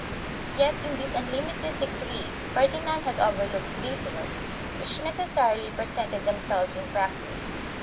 1 Yet in this unlimited decree Ferdinand had overlooked details which necessarily presented themselves in practice.